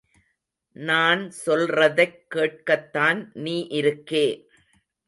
நான் சொல்றதைக் கேட்கத்தான் நீ இருக்கே.